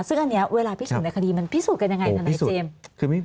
ซึ่งอันนี้เวลาพิสูจน์ในคดีมันพิสูจน์กันยังไงทนายเจมส์